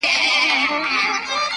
کله شاته کله څنګ ته یې کتله!.